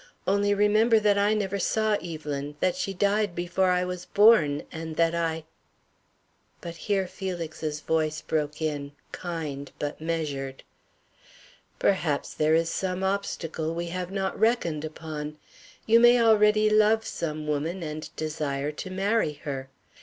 Only remember that I never saw Evelyn, that she died before I was born, and that I " But here Felix's voice broke in, kind, but measured: "Perhaps there is some obstacle we have not reckoned upon. You may already love some woman and desire to marry her.